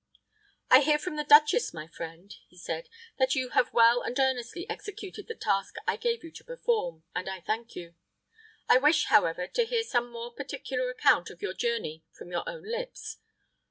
"I hear from the duchess, my friend," he said, "that you have well and earnestly executed the task I gave you to perform, and I thank you. I wish, however, to hear some more particular account of your journey from your own lips.